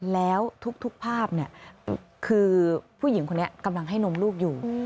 แล้วทุกภาพคือผู้หญิงคนนี้กำลังให้นมลูกอยู่